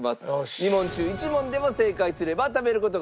２問中１問でも正解すれば食べる事ができます。